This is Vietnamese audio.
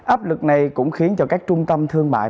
áp lực này cũng khiến cho các trung tâm thương mại